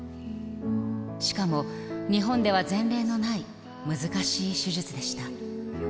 しかも、日本では前例のない、難しい手術でした。